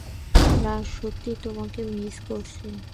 রাজ সত্যিই তোমাকে মিস করছে।